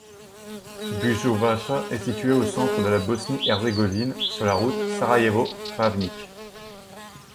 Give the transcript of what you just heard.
Busovača est située au centre de la Bosnie-Herzégovine, sur la route Sarajevo-Travnik.